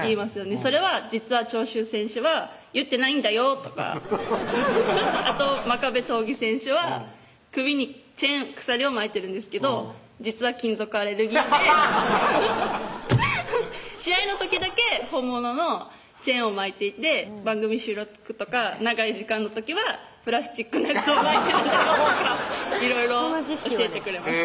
「それは実は長州選手は言ってないんだよ」とかあと真壁刀義選手は首に鎖を巻いてるんですけど実は金属アレルギーで「試合の時だけ本物のチェーンを巻いていて番組収録とか長い時間の時はプラスチックのやつを巻いてるんだよ」とかいろいろ教えてくれました